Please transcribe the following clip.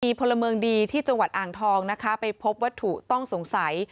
มีพลเมืองดีที่จังหวัดอ่างทองนะคะไปพบวัตถุต้องสงสัย